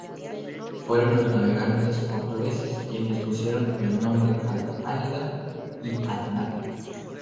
Fueron los navegantes portugueses quienes pusieron el nombre al alga y al mar.